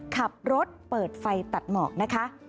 ขับรถเปิดไฟตัดหมอกนะคะ